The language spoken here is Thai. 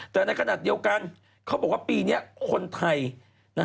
แต่ในขณะเดียวกันเขาบอกว่าปีนี้คนไทย